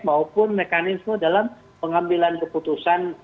maupun mekanisme dalam pengambilan keputusan